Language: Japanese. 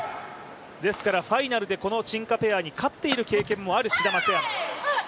ですからファイナルで、この陳・賈ペアに勝っている経験もある松山。